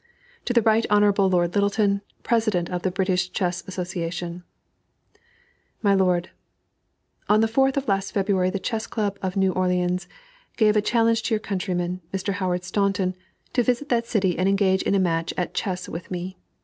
To the Right Hon. Lord Lyttelton, President of the British Chess Association: MY LORD, On the 4th of last February the Chess Club of New Orleans gave a challenge to your countryman, Mr. Howard Staunton, to visit that city and engage in a match at chess with me.